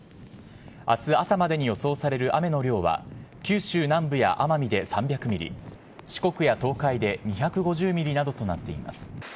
あす朝までに予想される雨の量は、九州南部や奄美で３００ミリ、四国や東海で２５０ミリなどとなっています。